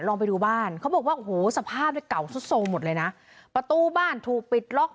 ลองไปดูบ้านเขาบอกว่าโอ้โหสภาพเนี่ยเก่าสุดโทรมหมดเลยนะประตูบ้านถูกปิดล็อก